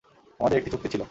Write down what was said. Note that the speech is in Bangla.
আমাদের একটি চুক্তি ছিল।